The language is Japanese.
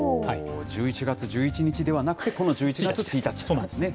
１１月１１日ではなくてこの１１月１日なんですね。